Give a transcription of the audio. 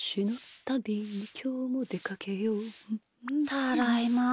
ただいま。